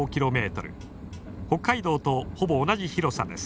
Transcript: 北海道とほぼ同じ広さです。